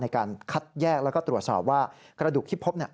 ในการคัดแยกแล้วก็ตรวจสอบว่ากระดูกที่พบ